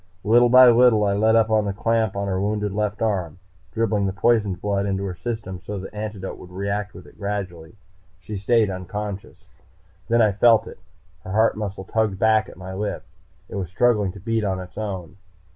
Little by little I let up on the clamp on her wounded left arm, dribbling the poisoned blood into her system, so that the antidote could react with it gradually. She stayed unconscious. Then I felt it. Her heart muscle tugged back at my lift. It was struggling to beat on its own.